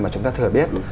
mà chúng ta thừa biết